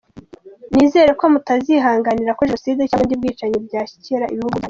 Nizere ko mutazihanganira ko Jenoside cyangwa ubundi bwicanyi byashyikira ibihugu byanyu.